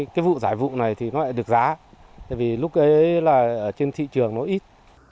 cái vụ giải vụ này thì nó lại được giá tại vì lúc ấy là trên thị trường nó ít